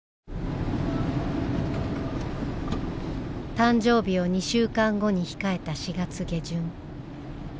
誕生日を２週間後に控えた４月下旬。